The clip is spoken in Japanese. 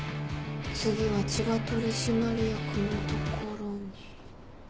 次は千葉取締役の所に。